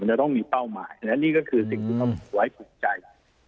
จะต้องมีเป้าหมายและนี่ก็คือสิ่งที่เขาผูกไว้ผูกใจ